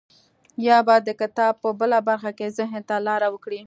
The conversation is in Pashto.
يا به د کتاب په بله برخه کې ذهن ته لاره وکړي.